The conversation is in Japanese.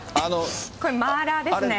これ、マーラーですね。